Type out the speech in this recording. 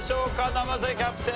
生瀬キャプテン